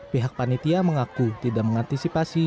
pihak panitia mengaku tidak mengantisipasi